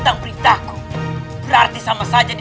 tapi apa ada itu